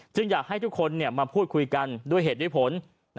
อยากให้ทุกคนมาพูดคุยกันด้วยเหตุด้วยผล